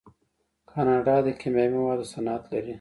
کاناډا د کیمیاوي موادو صنعت لري.